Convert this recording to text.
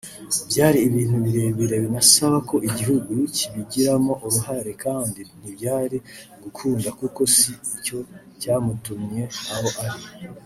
Byari ibintu birebire binasaba ko igihugu kibigiramo uruhare kandi ntibyari gukunda kuko si cyo cyamutumye aho ari